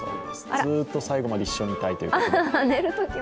ずっと最後まで一緒にいたいという。